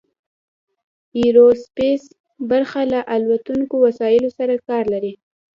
ایرو سپیس برخه له الوتونکو وسایلو سره کار لري.